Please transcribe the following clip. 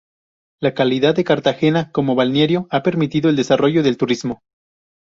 La calidad de Cartagena como balneario ha permitido el desarrollo del turismo.